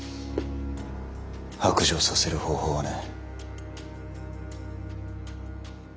白状させる方法はね。